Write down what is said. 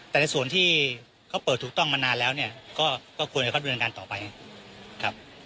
แต่ในส่วนที่เขาเปิดถูกต้องมานานแล้วเนี่ยก็ควรจะคัดบริเวณการต่อไปครับ